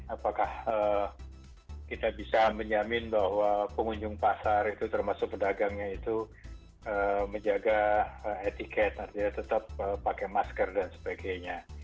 apakah kita bisa menjamin bahwa pengunjung pasar itu termasuk pedagangnya itu menjaga etiket artinya tetap pakai masker dan sebagainya